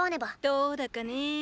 どーだかね。